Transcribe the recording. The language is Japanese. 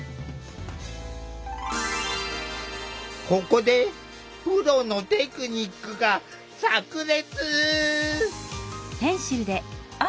ここでプロのテクニックがさく裂！